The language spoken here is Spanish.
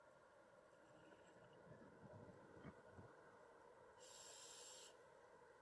Para reducir las posibilidades de un resurgimiento de los Sith.